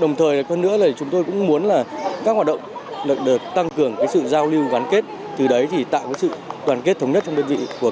đồng thời hơn nữa là chúng tôi cũng muốn là các hoạt động được tăng cường sự giao lưu gắn kết từ đấy thì tạo sự toàn kết thống nhất trong đơn vị